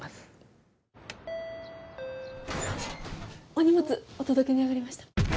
お荷物お届けに上がりました。